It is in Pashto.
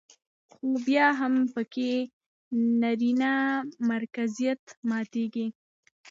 خو بيا هم پکې نرينه مرکزيت ماتېده